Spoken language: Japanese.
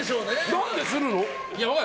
何でするの？